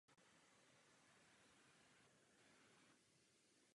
Její zdivo je dodnes částečně dochováno v obvodové zdi kolem západního nároží zámku.